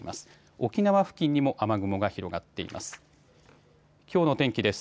沖縄付近にも雨雲が広がっています。